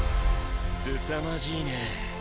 すさまじいね。